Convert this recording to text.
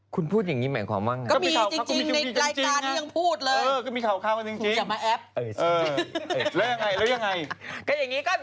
คุณพูดอย่างนี้ใหม่ขอบว่างนะ